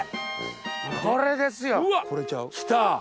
これですよ。きた。